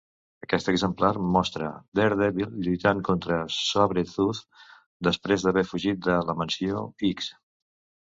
Aquest exemplar mostra Daredevil lluitant contra Sabretooth després d'haver fugit de la Mansió X.